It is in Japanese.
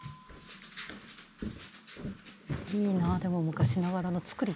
いいなあでも昔ながらの造り